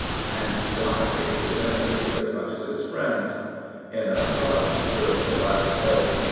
And he dominates his enemies as much as his friends. In a 'bus during the last L.